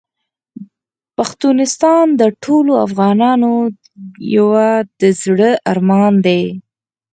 پښتونستان د ټولو افغانانو یو د زړه ارمان دی .